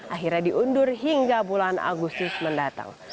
akhirnya diundur hingga bulan agustus mendatang